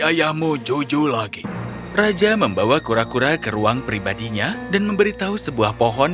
ayahmu jojo lagi raja membawa kura kura ke ruang pribadinya dan memberitahu sebuah pohon